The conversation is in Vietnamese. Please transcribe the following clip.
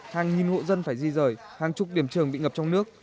hàng nghìn hộ dân phải di rời hàng chục điểm trường bị ngập trong nước